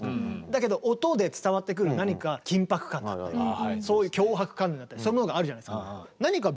だけど音で伝わってくる何か緊迫感だったりそういう強迫観念だったりそういうものがあるじゃないですか。